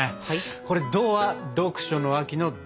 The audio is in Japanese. これ「ド」は読書の秋の「ド」。